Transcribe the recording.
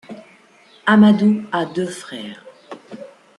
Amadou a deux frères.